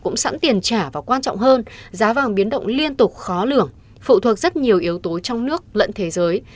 cũng sẵn tiền trả và quan trọng hơn giá vàng biến động liên tục khó lường phụ thuộc rất nhiều yếu tố trong nước lẫn thế giới